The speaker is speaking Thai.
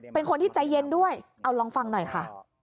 เป็นคนที่ใจเย็นด้วยเอาลองฟังหน่อยค่ะ